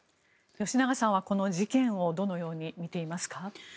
吉永さんはこの事件をどのように見ていますか？